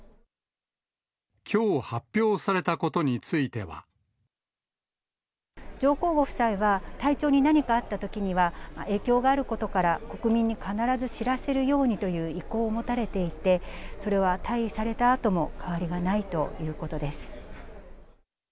きょう発表されたことについ上皇ご夫妻は、体調に何かあったときには、影響があることから、国民に必ず知らせるようにという意向を持たれていて、それは退位されたあとも変わりはないということです。